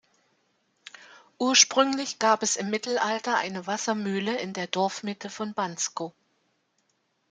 Ursprünglich gab es im Mittelalter eine Wassermühle in der Dorfmitte von Banzkow.